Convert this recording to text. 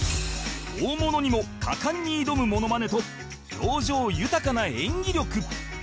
大物にも果敢に挑むモノマネと表情豊かな演技力